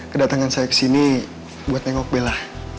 kedatangan saya kesini buat nengok bela